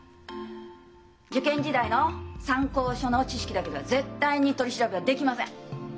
受験時代の参考書の知識だけでは絶対に取り調べはできません。